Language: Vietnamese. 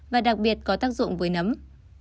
và đặc biệt có tác dụng với nấm